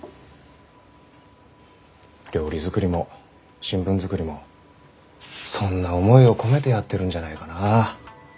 料理作りも新聞作りもそんな思いを込めてやってるんじゃないかな。